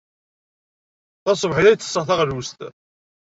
Taṣebḥit ay ttesseɣ taɣlust.